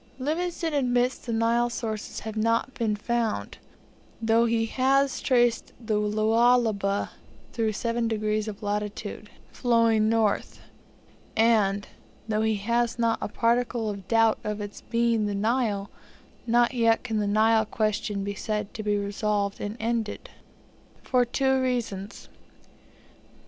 Livingstone admits the Nile sources have not been found, though he has traced the Lualaba through seven degrees of latitude flowing north; and, though he has not a particle of doubt of its being the Nile, not yet can the Nile question be said to be resolved and ended. For two reasons: 1.